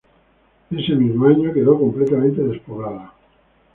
Ese mismo año, quedó completamente despoblada.